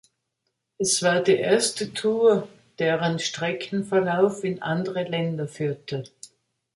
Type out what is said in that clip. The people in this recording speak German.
Es war die erste Tour, deren Streckenverlauf in andere Länder führte.